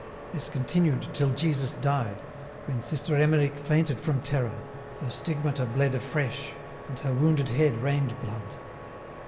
This continued till Jesus died, when Sister Emmerich fainted from terror, her stigmata bled afresh, and her wounded head rained blood.